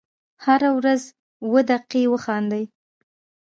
هره ورځ اووه دقیقې وخاندئ .